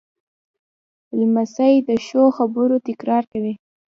لمسی د ښو خبرو تکرار کوي.